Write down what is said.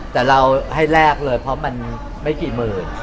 แต่เราให้แลกเลยเพราะมันไม่กี่หมื่น